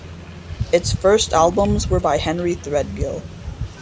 Its first albums were by Henry Threadgill.